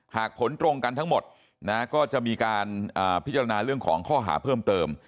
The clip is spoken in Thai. หากผลตรงกันทั้งหมดนะก็จะมีการพิจารณาเรื่องของข้อหาเพิ่มเติม